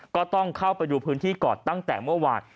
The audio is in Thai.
ก็ต้องเข้าไปดูพื้นที่ก่อนตั้งแต่เมื่อวาน